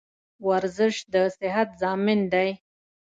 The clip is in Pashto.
ورزش دصحت ضامن دي.